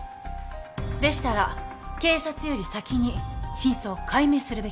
でしたら警察より先に真相を解明するべきかと。